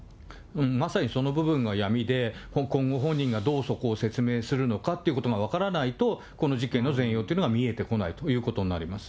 まさにその部分は闇で、今後、本人がどうそこを説明するのかということが分からないと、この事件の全容というのが見えてこないということになります。